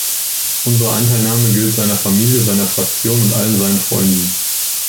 Unsere Anteilnahme gilt seiner Familie, seiner Fraktion und allen seinen Freunden.